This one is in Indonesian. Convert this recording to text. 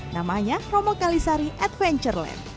namanya romo kalisari adventureland